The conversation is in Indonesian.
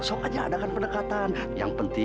soalnya ada kan pendekatan